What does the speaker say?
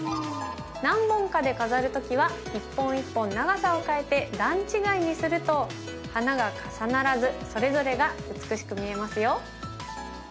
何本かで飾るときは一本一本長さを変えて段違いにすると花が重ならずそれぞれが美しく見えますよ。